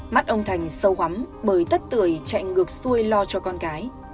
mắt ông thành sâu hắm bởi tất tuổi chạy ngược xuôi lo cho con cái